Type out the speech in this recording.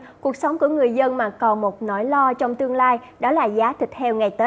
điều này không chỉ ảnh hưởng đến việc kinh doanh cuộc sống của người dân mà còn một nỗi lo trong tương lai đó là giá thịt heo ngày tết